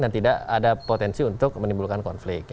dan tidak ada potensi untuk menimbulkan konflik